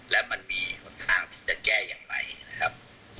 และมันมีหนทางที่จะแก้อย่างไรนะครับ